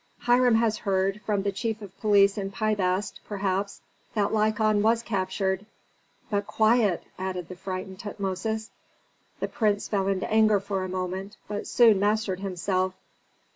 Hiram has heard, from the chief of police in Pi Bast perhaps, that Lykon was captured But quiet!" added the frightened Tutmosis. The prince fell into anger for a moment, but soon mastered himself.